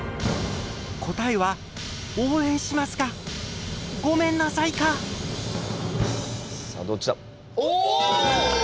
答えは「応援します」か「ごめんなさい」か⁉さあどっちだ⁉お！